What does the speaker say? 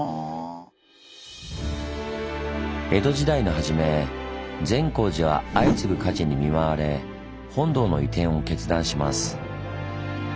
江戸時代の初め善光寺は相次ぐ火事に見舞われ本堂の移転を決断します。